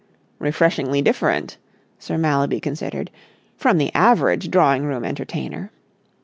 "Refreshingly different," Sir Mallaby considered, "from the average drawing room entertainer."